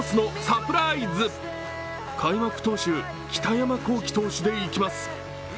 開幕投手、北山亘基投手でいきます。